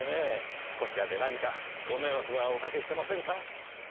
こちらで何かご迷惑はおかけしてませんか？